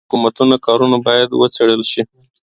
د تېرو حکومتونو کارونه باید وڅیړل شي.